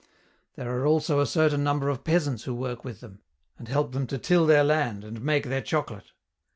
There are also a certain number of peasants who work with them, and help them to till their land, and make their chocolate."